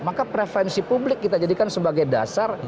maka prevensi publik kita jadikan sebagai dasar